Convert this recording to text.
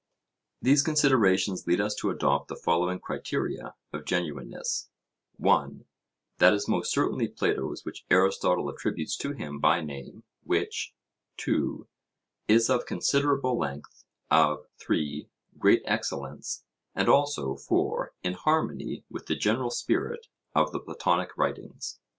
These considerations lead us to adopt the following criteria of genuineness: (1) That is most certainly Plato's which Aristotle attributes to him by name, which (2) is of considerable length, of (3) great excellence, and also (4) in harmony with the general spirit of the Platonic writings.